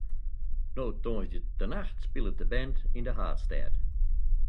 No tongersdeitenacht spilet de band yn de haadstêd.